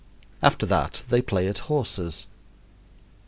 After that they play at horses.